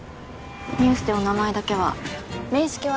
ニュースでお名前だけは面識は？